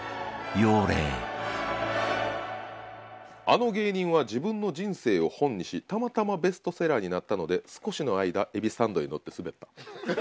「あの芸人は自分の人生を本にしたまたまベストセラーになったので少しの間エビサンドに乗ってすべった」。